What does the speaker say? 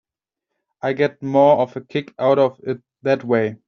I get more of a kick out of it that way.